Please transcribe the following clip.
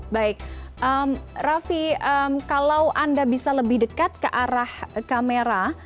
baik raffi kalau anda bisa lebih dekat ke arah kamera